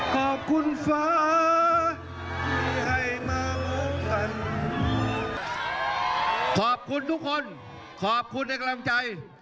ขอบคุณทุกคนขอบคุณในกล้ามใจ